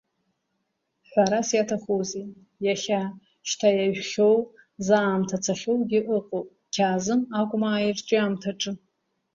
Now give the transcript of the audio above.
Ҳәарас иаҭахузеи, иахьа шьҭа иажәхьоу, заамҭа цахьоугьы ыҟоуп Қьаазым Агәмаа ирҿиамҭаҿы.